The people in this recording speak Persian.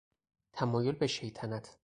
تمایل به شیطنت